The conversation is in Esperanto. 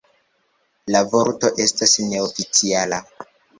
La vorto estas neoficiala.